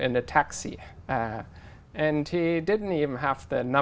như những thị trấn